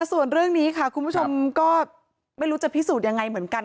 ส่วนเรื่องนี้ค่ะคุณผู้ชมก็ไม่รู้จะพิสูจน์ยังไงเหมือนกัน